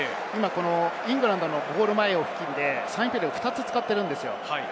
イングランドのゴール前の付近で、サインプレーを２つ使っているんです。